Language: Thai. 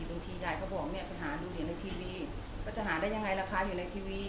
บางทียายก็บอกเนี่ยไปหาดูเห็นในทีวีก็จะหาได้ยังไงราคาอยู่ในทีวี